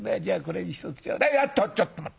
あっちょっと待って。